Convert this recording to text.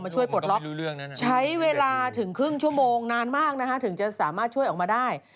ช่วยปลดล็อกใช้เวลาถึงครึ่งชั่วโมงนานมากนะคะถึงจะสามารถช่วยออกมาได้